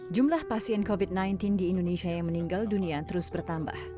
jumlah pasien covid sembilan belas di indonesia yang meninggal dunia terus bertambah